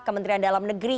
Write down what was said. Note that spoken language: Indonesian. kementerian dalam negeri